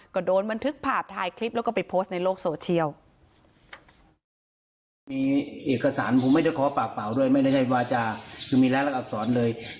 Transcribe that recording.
ก็โดนบันทึกภาพถ่ายคลิปแล้วก็ไปโพสต์ในโลกโซเชียล